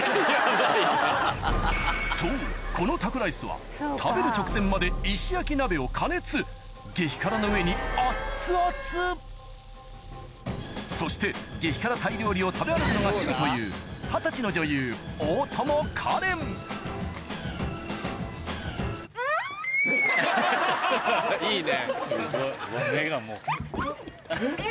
そうこのタコライスはそして激辛タイ料理を食べ歩くのが趣味という二十歳の女優大友花恋いいね。